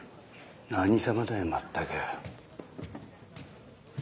何様だよ全く。